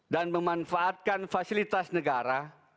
dan memanfaatkan fasilitas negara